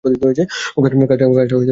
কাজটা আমাদেরই করতে হবে।